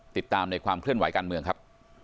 ติดตามในความเคลื่อนไหวการเมืองครับ